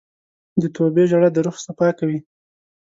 د توبې ژړا د روح صفا کوي.